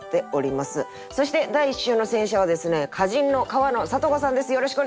そして第１週の選者はですね歌人の川野里子さんです。